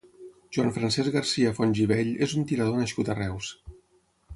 Joan Francesc García Fontgivell és un tirador nascut a Reus.